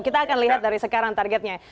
kita akan lihat dari sekarang targetnya